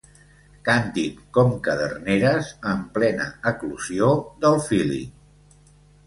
Cantin com caderneres en plena eclosió del “Feeling”.